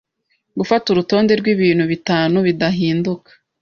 gufata urutonde rw’ibintu bitanu bidahinduka,